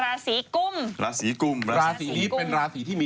อันนี้จบแล้วอีกหนึ่งราศีต่อไปก็เป็นราศีกุม